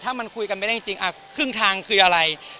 ถ้ามันคุยกันไม่ได้จริงครึ่งทางคืออะไร